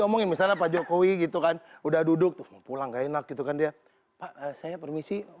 omongin misalnya pak jokowi gitu kan udah duduk pulang enak gitu kan dia saya permisi